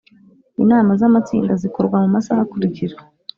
Inama z amatsinda zikorwa mu masaha akurikira